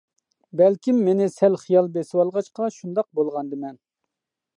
بەلكىم مېنى سەل خىيال بېسىۋالغاچقا شۇنداق بولغاندىمەن.